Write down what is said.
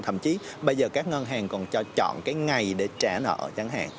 thậm chí bây giờ các ngân hàng còn cho chọn cái ngày để trả nợ chẳng hạn